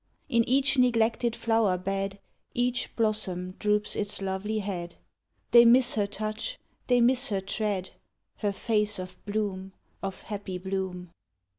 In each neglected flower bed Each blossom droops its lovely head, They miss her touch, they miss her tread, Her face of bloom, Of happy bloom.